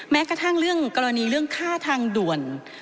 แม้กระทั่งเรื่องกรณีเรื่องค่าทางด่วน